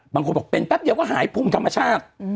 บางคนบอกเป็นแป๊บเดียวก็หายภูมิธรรมชาติ